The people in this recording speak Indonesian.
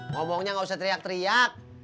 ngomongnya gak usah teriak teriak